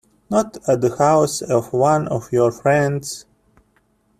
Not at the house of one of your friends?